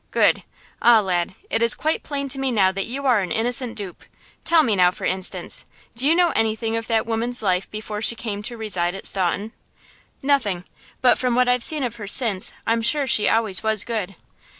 Good! ah, lad, it is quite plain to me now that you are an innocent dupe. Tell me now, for instance, do you know anything of that woman's life before she came to reside at Staunton?" "Nothing; but from what I've seen of her since I'm sure she always was good."